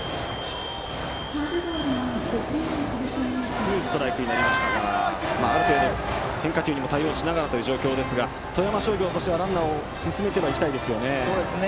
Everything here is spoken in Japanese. ツーストライクになりましたがある程度、変化球にも対応しながらという状況ですが富山商業としてはランナーを進めたいですよね。